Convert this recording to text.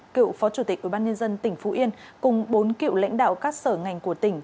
cựu phó chủ tịch ubnd tỉnh phú yên cùng bốn cựu lãnh đạo các sở ngành của tỉnh